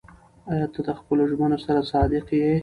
ایا ته د خپلو ژمنو سره صادق یې؟